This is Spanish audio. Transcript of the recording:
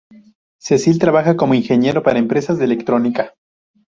Cecil trabajaba como ingeniero para empresas de electrónica.